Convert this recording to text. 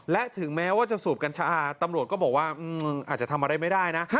และถึงแม้ว่าจะสูบกัญชาตำรวจก็บอกว่าอาจจะทำอะไรไม่ได้นะ